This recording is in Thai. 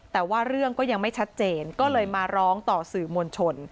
แต่ว่าเรื่องก็ยังไม่ชัดเจนก็เลยมาร้องต่อสื่อมวลชน